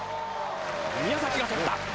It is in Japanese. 「宮崎が取った！」。